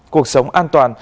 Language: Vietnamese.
cuộc sống an toàn